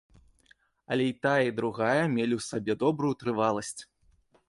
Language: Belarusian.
Але і тая, і другая мелі ў сабе добрую трываласць.